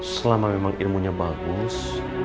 selama memang ilmunya bagus